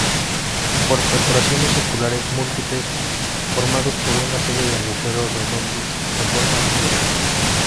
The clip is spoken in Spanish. Por perforaciones circulares múltiples: Formado por una serie de agujeros redondos de forma alineada.